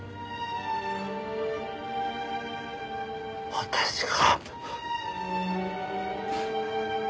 私が。